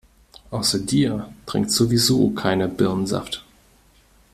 Außer dir trinkt sowieso keiner Birnensaft.